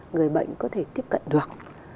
người bệnh có thể tiếp cận được